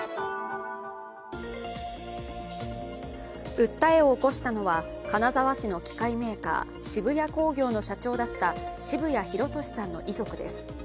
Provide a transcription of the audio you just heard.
訴えを起こしたのは、金沢市の機械メーカー澁谷工業の社長だった澁谷弘利さんの遺族です。